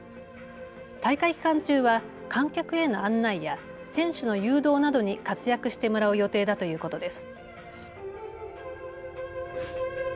大会期間中は観客への案内や選手の誘導などに活躍してもらう予定だということです。